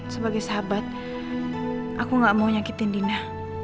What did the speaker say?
sebagai sahabat aku gak mau nyakitin dina